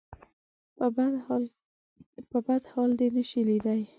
په بد حال دې نه شي ليدلی.